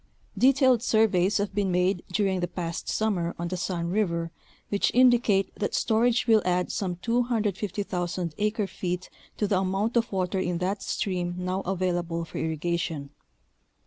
Detailed surveys have been made during the past summer on the Sun River which indicate that storage will add some 250,000 acre feet to the amount of water in that stream now available for irrigation.